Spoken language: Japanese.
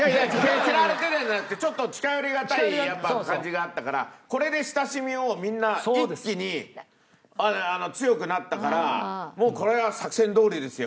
嫌われてるんじゃなくてちょっと近寄りがたい感じがあったからこれで親しみをみんな一気に強くなったからもうこれは作戦どおりですよ。